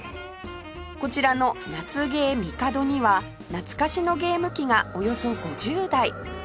こちらのナツゲーミカドには懐かしのゲーム機がおよそ５０台